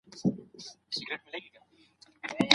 باید په کار ځای کې د هر یو ساعت وروسته لږ قدم ووهو.